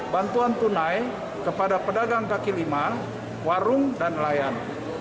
bantuan tunai kepada pedagang kaki lima warung dan nelayan